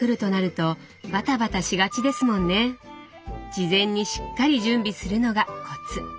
事前にしっかり準備するのがコツ。